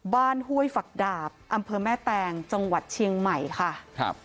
ห้วยฝักดาบอำเภอแม่แตงจังหวัดเชียงใหม่ค่ะครับ